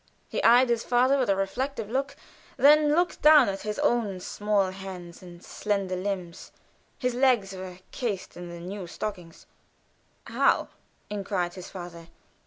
He eyed his father with a reflective look, then looked down at his own small hands and slender limbs (his legs were cased in the new stockings). "How?" inquired his father.